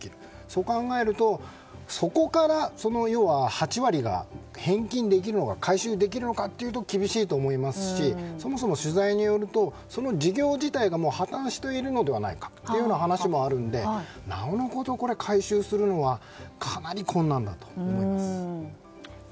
そう考えるとそこから８割が返金できるのか回収できるのかというと厳しいと思いますしそもそも取材によるとその事業自体が破たんしているのではないかという話もあるのでなおのこと回収するのはかなり困難だと思います。